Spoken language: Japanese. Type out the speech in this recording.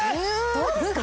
どうですか？